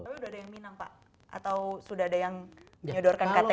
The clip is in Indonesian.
tapi udah ada yang minang pak atau sudah ada yang nyodorkan kta